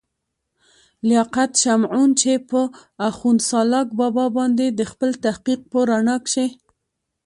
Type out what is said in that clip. لياقت شمعون، چې پۀ اخون سالاک بابا باندې دَخپل تحقيق پۀ رڼا کښې